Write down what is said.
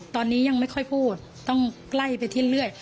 ตอนนี้ยังไม่ค่อยพูดต้องใกล้ไปที่เรื่อย